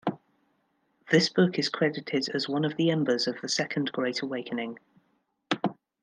This book is credited as one of the embers of the Second Great Awakening.